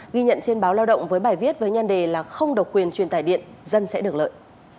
ghi nhận trên báo lao động với bài viết với nhân đề là không độc quyền truyền tải điện dân sẽ được lợi